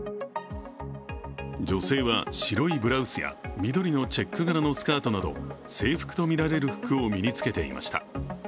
女性は白いブラウスや緑のチェック柄のスカートなど制服とみられる服を身につけていました。